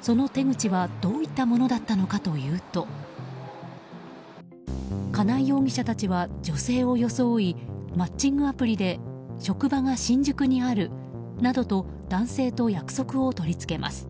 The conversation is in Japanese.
その手口は、どういったものだったのかというと金井容疑者たちは女性を装いマッチングアプリで職場が新宿にあるなどと男性と約束を取り付けます。